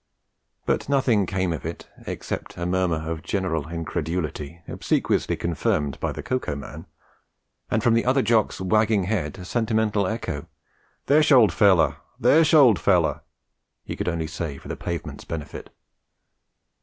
But nothing came of it except a murmur of general incredulity, obsequiously confirmed by the Cocoa Man, and from the other Jock's wagging head a sentimental echo: 'Thish ol' feller! Thish ol' feller!' he could only say for the pavement's benefit.